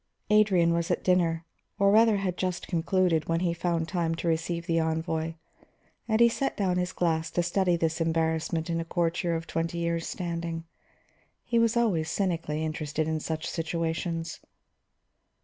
Adrian was at dinner, or rather had just concluded, when he found time to receive the envoy; and he set down his glass to study this embarrassment in a courtier of twenty years' standing. He was always cynically interested in such situations.